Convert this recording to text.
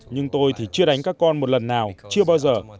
nhưng tôi thì chưa đánh các con một lần nào chưa bao giờ